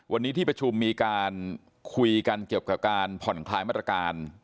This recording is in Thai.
วันนี้ที่ประชุมมีการคุยกันเกี่ยวกับการผ่อนคลายมาตรการ